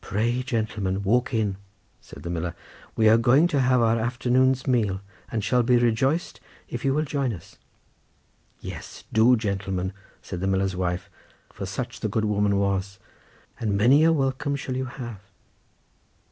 "Pray, gentleman, walk in!" said the miller; "we are going to have our afternoon's meal, and shall be rejoiced if you will join us." "Yes, do, gentleman," said the miller's wife, for such the good woman was; "and many a welcome shall you have."